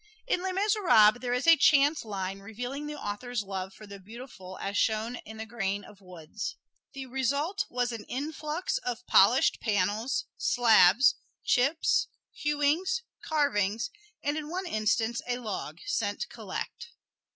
In "Les Miserables" there is a chance line revealing the author's love for the beautiful as shown in the grain of woods. The result was an influx of polished panels, slabs, chips, hewings, carvings, and in one instance a log sent "collect."